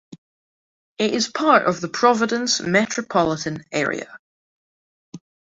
It is part of the Providence metropolitan area.